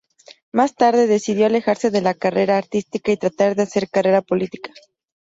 Más tarde, decidió alejarse de la carrera artística y tratar de hacer carrera política.